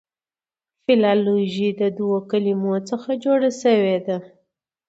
فلالوژي د دوو کلمو څخه جوړه سوې ده.